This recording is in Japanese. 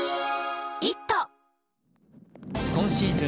今シーズン